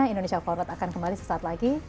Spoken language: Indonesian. indonesia forward akan kembali sesaat lagi